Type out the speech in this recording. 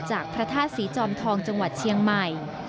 พระธาตุศรีจอมทองจังหวัดเชียงใหม่